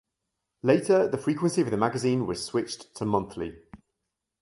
Later the frequency of the magazine was switched to monthly.